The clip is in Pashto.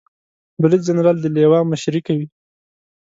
بریدجنرال د لوا مشري کوي